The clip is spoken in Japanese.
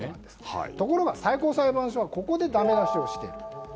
ところが最高裁判所はここでだめ出しをしている。